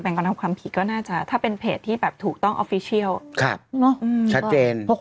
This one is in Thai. เพราะฉะนั้นแล้วตระกูลนี้โดนบอก